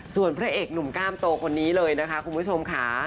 ส่วนผู้เล่นเอกหนุ่มกล้ามโตคนนี้เลยคุณผู้ชมค่ะ